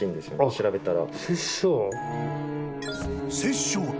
調べたら。